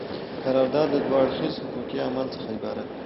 قرارداد له دوه اړخیزه حقوقي عمل څخه عبارت دی.